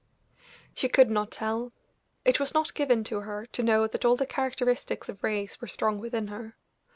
She could not tell. It was not given to her to know that all the characteristics of race were strong within her.